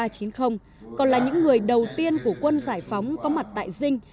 còn là những người đầu tiên của quân giải phóng có mặt tại dinh